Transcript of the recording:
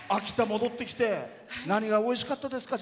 戻ってきて何がおいしかったですか？